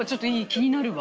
気になるわ。